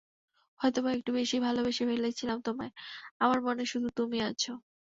হয়তোবা একটু বেশিই ভালোবেসে ফেলেছিলাম তোমায়, আমার মনে শুধু তুমিই আছো।